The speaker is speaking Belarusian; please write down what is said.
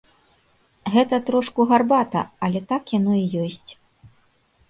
Гэта трошку гарбата, але так яно і ёсць.